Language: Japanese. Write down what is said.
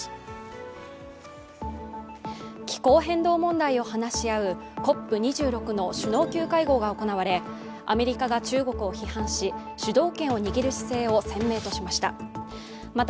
気候変動問題を話し合うＣＯＰ２６の首脳級会合が行われアメリカが中国を批判し、主導権を握る姿勢を鮮明にしました。